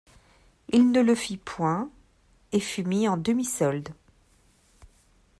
Il ne le fit point, et fut mis en demi-solde.